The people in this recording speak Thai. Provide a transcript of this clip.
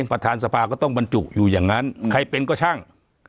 ประธานสภาก็ต้องบรรจุอยู่อย่างนั้นใครเป็นก็ช่าง